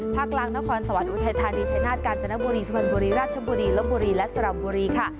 กลางนครสวรรค์อุทัยธานีชายนาฏกาญจนบุรีสุพรรณบุรีราชบุรีลบบุรีและสระบุรีค่ะ